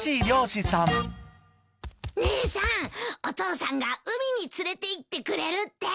姉さんお父さんが海に連れていってくれるって。